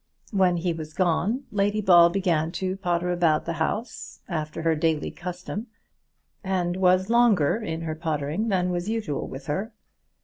When he was gone Lady Ball began to potter about the house, after her daily custom, and was longer in her pottering than was usual with her.